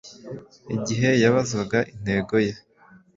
Igihe yabazwaga intego ye,